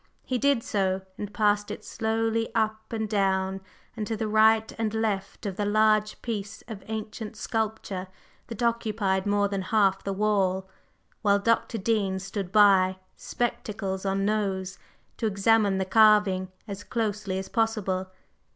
He did so, and passed it slowly up and down and to the right and left of the large piece of ancient sculpture that occupied more than half the wall, while Dr. Dean stood by, spectacles on nose, to examine the carving as closely as possible.